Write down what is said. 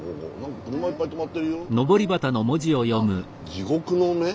「地獄の目」？